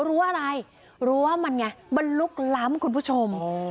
รู้อะไรรู้ว่ามันไงมันลุกล้ำคุณผู้ชม